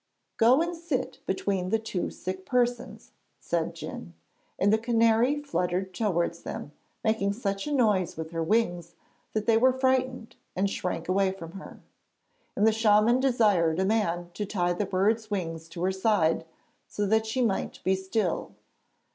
'Go and sit between the two sick persons,' said Djun, and the canary fluttered towards them, making such a noise with her wings that they were frightened and shrank away from her. And the shaman desired a man to tie the bird's wings to her side so that she might be still.